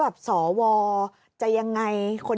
ว่าสอวจะยังไง